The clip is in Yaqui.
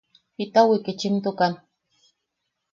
–¿Jita wikichimtukan?